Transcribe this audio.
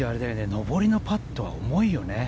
上りのパットは重いよね。